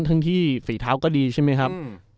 ทั้งที่ฝีเท้าก็ดีใช่ไหมครับ